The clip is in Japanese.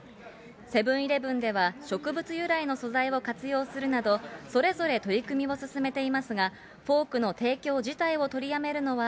セブンイレブンでは植物由来の素材を活用するなど、それぞれ取り組みを進めていますが、フォークの提供自体を取りやめるのは、